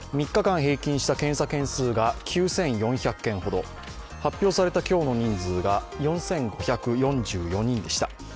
３日間平均した検査件数が９４００件ほど、発表された今日の人数が４５４４人でした。